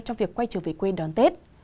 trong việc quay trở về quê đón tết